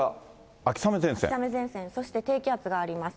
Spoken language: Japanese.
秋雨前線、そして低気圧があります。